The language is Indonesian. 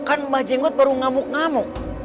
kan mbah jenggot baru ngamuk ngamuk